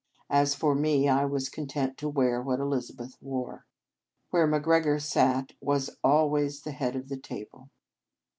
As for me, I was content to wear what Elizabeth wore. Where MacGregor sat was always the head of the table.